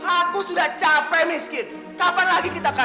aku sudah capek miskin kapan lagi kita kalah